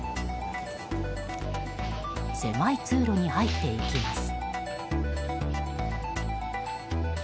狭い通路に入っていきます。